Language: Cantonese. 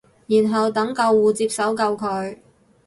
然後等救護接手救佢